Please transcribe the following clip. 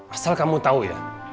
asal kamu tau ya